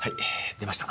出ました。